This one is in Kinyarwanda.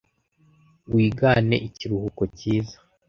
wigane ikiruhuko cyiza